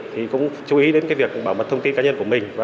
thì cũng chú ý đến cái việc bảo mật thông tin cá nhân của mình